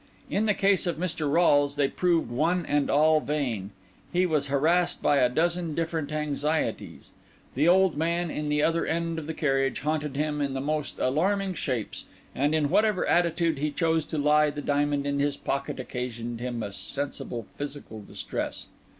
In the case of Mr. Rolles they proved one and all vain; he was harassed by a dozen different anxieties—the old man in the other end of the carriage haunted him in the most alarming shapes; and in whatever attitude he chose to lie the diamond in his pocket occasioned him a sensible physical distress.